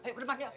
ayo ke depan yuk